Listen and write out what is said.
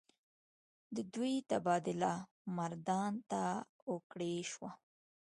د دوي تبادله مردان ته اوکړے شوه ۔